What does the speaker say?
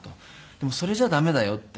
でもそれじゃ駄目だよって。